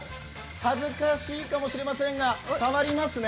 恥ずかしいかもしれませんが触りますね。